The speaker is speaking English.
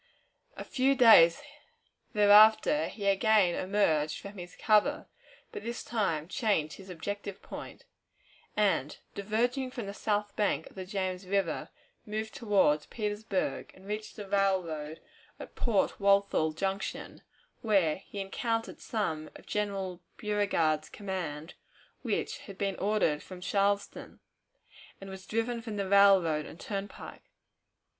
A few days thereafter he again emerged from his cover, but this time changed his objective point, and, diverging from the south bank of the James River, moved toward Petersburg, and reached the railroad at Port Walthal Junction, where he encountered some of General Beauregard's command, which had been ordered from Charleston, and was driven from the railroad and turnpike.